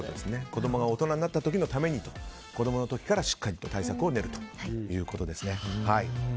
子供が大人になった時のために子供の時からしっかりと対策を練るということですね。